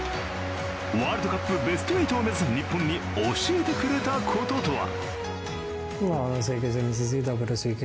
ワールドカップベスト８を目指す日本に、教えてくれたこととは？